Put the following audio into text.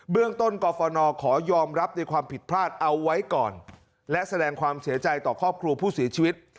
เรื่องต้นกรฟนขอยอมรับในความผิดพลาดเอาไว้ก่อนและแสดงความเสียใจต่อครอบครัวผู้เสียชีวิต